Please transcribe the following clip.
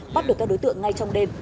bắt được các đối tượng ngay trong đêm